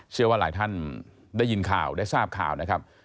เชื่อว่าหลายท่านได้ยินข่าวได้ทราบข่าวนะครับ